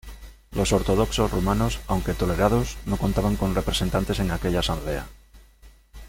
Los ortodoxos rumanos, aunque tolerados, no contaban con representantes en aquella asamblea.